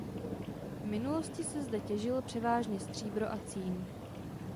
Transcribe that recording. V minulosti se zde těžilo převážně stříbro a cín.